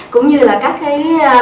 cũng như là các cái